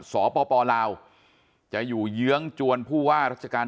สปลาวจะอยู่เยื้องจวนผู้ว่าราชการ